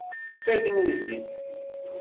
D tagnizit.